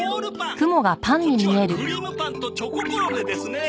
こっちはクリームパンとチョココロネですね。